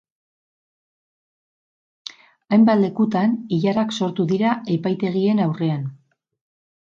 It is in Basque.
Hainbat lekutan, ilarak sortu dira epaitegien aurrean.